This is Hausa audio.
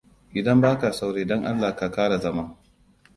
Idan baka sauri, dan Allah ka kara zama.